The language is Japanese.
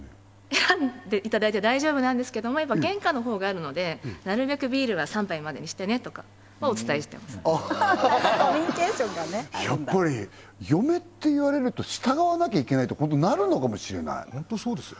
選んでいただいて大丈夫なんですけども原価の方があるので「なるべくビールは３杯までにしてね」とかはお伝えしてますコミュニケーションがねやっぱり嫁っていわれると従わなきゃいけないってホントなるのかもしれないホントそうですよ